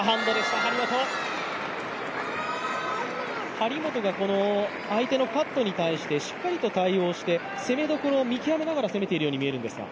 張本が相手のカットに対してしっかりと対応して攻めどころを見極めながら攻めているように感じるんですが。